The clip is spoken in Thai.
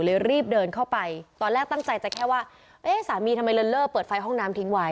รีบเดินเข้าไปตอนแรกตั้งใจจะแค่ว่าเอ๊ะสามีทำไมเลินเล่อเปิดไฟห้องน้ำทิ้งไว้